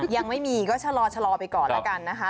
ยังไม่มีก็ชะลอไปก่อนแล้วกันนะคะ